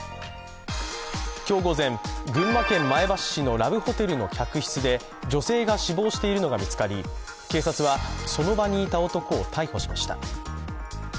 今日午前、群馬県前橋市のラブホテルの客室で女性が死亡しているのが見つかり、警察はその場にいた男を逮捕しました。